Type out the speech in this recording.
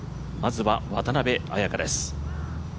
まずは渡邉彩香です。